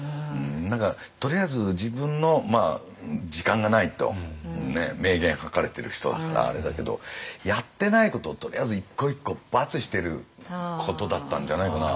何かとりあえず自分の時間がないと明言書かれてる人だからあれだけどやってないことをとりあえず一個一個バツしてることだったんじゃないかな。